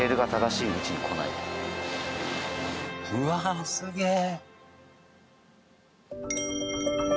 うわあすげえ！